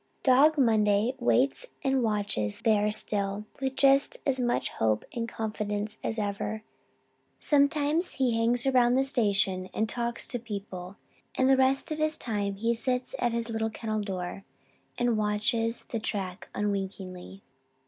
Dog Monday waits and watches there still, with just as much hope and confidence as ever. Sometimes he hangs around the station house and talks to people and the rest of his time he sits at his little kennel door and watches the track unwinkingly.